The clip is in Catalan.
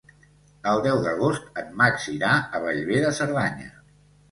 El deu d'agost en Max irà a Bellver de Cerdanya.